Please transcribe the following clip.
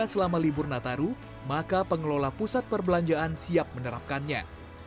selama libur nataru maka pengelola pusat perbelanjaan siap menerapkannya